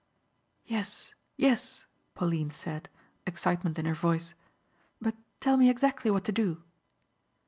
"Yes, yes," Pauline said, excitement in her voice, "but tell me exactly what to do."